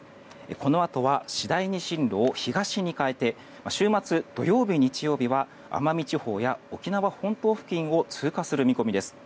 このあとは次第に進路を東に変えて週末、土曜日、日曜日は奄美地方や沖縄本島付近を通過する見込みです。